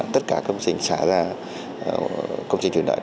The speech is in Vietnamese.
tất cả công trình xả ra công trình thủy lợi